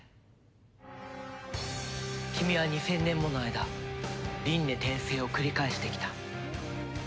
君は２０００年もの間輪廻転生を繰り返してきた。